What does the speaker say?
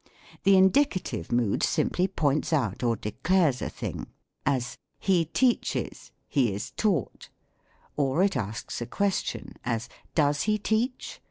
The Indicative Mood simply points out or declares a thing: as, "He teaches, he is taugh*;" or it asks a question : as, "■ Does he teach